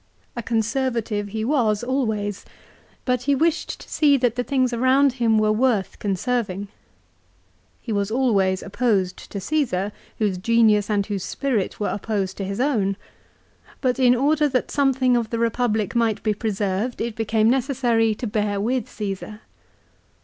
A Conservative he was always ; but he wished to see that the things around him were worth conserving. He was always opposed to Csesar, whose genius and whose spirit were opposed to his own. But in order that something of the Eepublic might be preserved, it became necessary to bear with Caesar.